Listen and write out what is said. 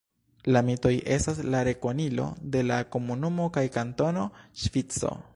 La Mitoj estas la rekonilo de la komunumo kaj kantono Ŝvico.